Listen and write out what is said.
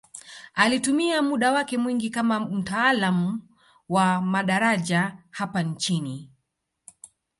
Alitumia muda wake mwingi kama mtaalamu wa madaraja hapa nchini